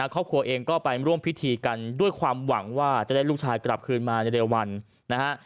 ครอบครัวเองก็ไปร่วมพิธีกันด้วยความหวังว่าจะได้ลูกชายกลับคืนมาในเร็ววันนะฮะ